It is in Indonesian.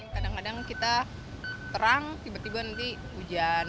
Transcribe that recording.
kadang kadang kita terang tiba tiba nanti hujan